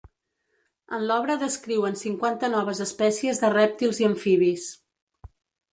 En l'obra descriuen cinquanta noves espècies de rèptils i amfibis.